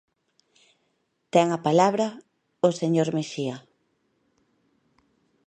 Ten a palabra o señor Mexía.